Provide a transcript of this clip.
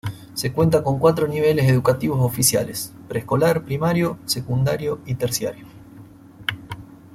Se cuenta con cuatro niveles educativos oficiales: pre escolar, primario, secundario y terciario.